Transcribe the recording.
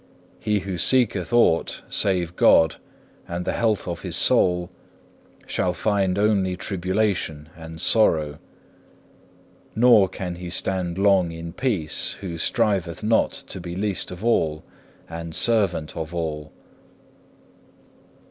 He who seeketh aught save God and the health of his soul, shall find only tribulation and sorrow. Nor can he stand long in peace, who striveth not to be least of all and servant of all.